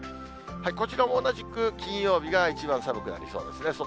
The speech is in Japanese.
こちらも同じく金曜日が一番寒くなりそうですね。